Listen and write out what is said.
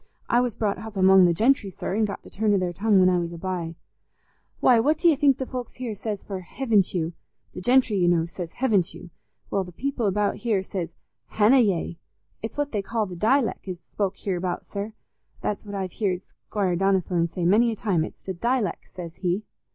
I was brought hup among the gentry, sir, an' got the turn o' their tongue when I was a bye. Why, what do you think the folks here says for 'hevn't you?'—the gentry, you know, says, 'hevn't you'—well, the people about here says 'hanna yey.' It's what they call the dileck as is spoke hereabout, sir. That's what I've heared Squire Donnithorne say many a time; it's the dileck, says he."